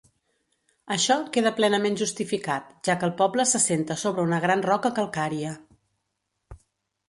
Això queda plenament justificat, ja que el poble s'assenta sobre una gran roca calcària.